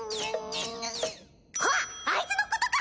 あっあいつのことか！